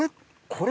これ？